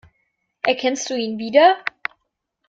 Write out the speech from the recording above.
Erkennst du ihn wieder?